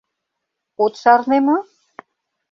От шарне мо?